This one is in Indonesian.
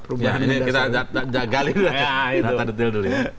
perubahan ini kita gagalin dulu